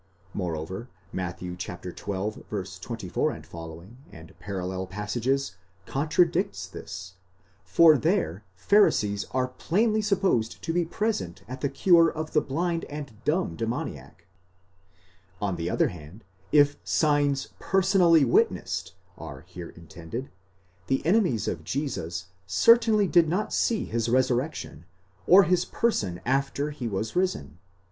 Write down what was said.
415 observation of Pharisees (moreover Matt. xii. 24 f. parall. contradicts this, for there Pharisees are plainly supposed to be present at the cure of the blind and dumb demoniac) : on the other hand, if signs personally witnessed are here intended, the enemies of Jesus certainly did not see his resurrection, or his person after he was risen.